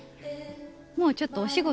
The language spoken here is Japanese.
もうちょっとお仕事、